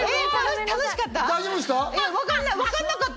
楽しかった？